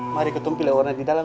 mari ke tom pilih warna di dalam